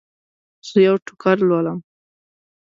زه یو ټوکر لرم.